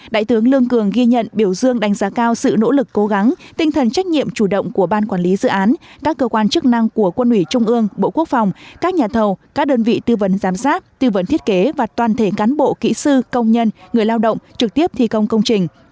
đại tướng lương cường ghi nhận biểu dương đánh giá cao sự nỗ lực cố gắng tinh thần trách nhiệm chủ động của ban quản lý dự án các cơ quan chức năng của quân ủy trung ương bộ quốc phòng các nhà thầu các đơn vị tư vấn giám sát tư vấn thiết kế và toàn thể cán bộ kỹ sư công nhân người lao động trực tiếp thi công công trình